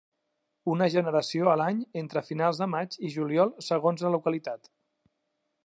Una generació a l'any entre finals de maig i juliol segons la localitat.